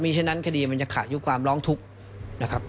ฉะนั้นคดีมันจะขาดยุความร้องทุกข์นะครับ